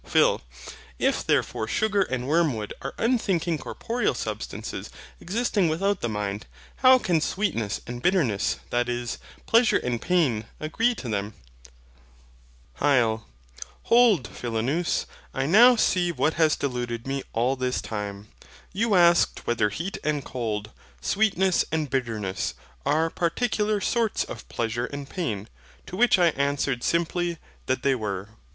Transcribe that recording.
PHIL. If therefore sugar and wormwood are unthinking corporeal substances existing without the mind, how can sweetness and bitterness, that is, Pleasure and pain, agree to them? HYL. Hold, Philonous, I now see what it was delude time. You asked whether heat and cold, sweetness at were not particular sorts of pleasure and pain; to which simply, that they were.